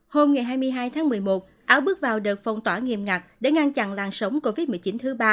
hôm hai mươi hai tháng một mươi một áo bước vào đợt phong tỏa nghiêm ngặt để ngăn chặn làn sóng covid một mươi chín thứ ba